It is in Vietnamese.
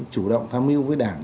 chủ động tham mưu với đảng